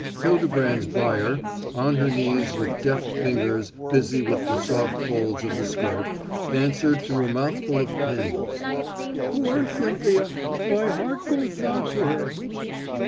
Hildebrand's buyer, on her knees and with deft fingers busy with the soft folds of the skirt, answered through a mouthful of pins: "Poor Cynthia; my heart goes out to her."